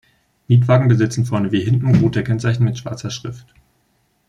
Mietwagen besitzen vorne wie hinten rote Kennzeichen mit schwarzer Schrift.